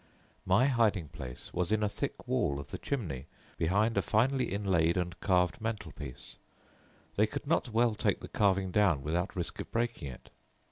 "My hiding place was in a thick wall of the chimney behind a finely inlaid and carved mantelpiece. They could not well take the carving down without risk of breaking it.